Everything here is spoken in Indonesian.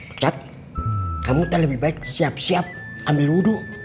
otad kamu lebih baik siap siap ambil wudhu